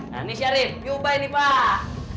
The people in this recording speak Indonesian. nah ini syarif ini ubay nih pak